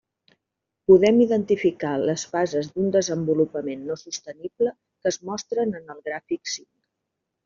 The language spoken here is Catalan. Podem identificar les fases d'un desenvolupament no sostenible que es mostren en el gràfic cinc.